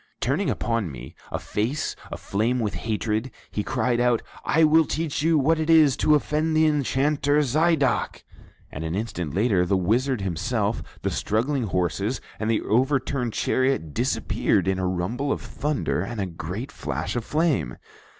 Turning upon me a face aflame with hatred, he cried out, 'I will teach you what it is to offend the Enchanter Zidoc'; and an instant later the wizard himself, the struggling horses, and the overturned chariot disappeared in a rumble of thunder and a great flash of flame.